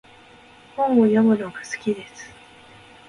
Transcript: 本を読むのが好きです。